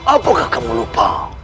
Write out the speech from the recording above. apakah kamu lupa